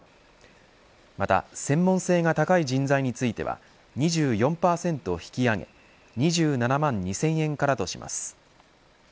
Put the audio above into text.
また専門性が高い人材については２４％引き上げ２７万２０００円からとします。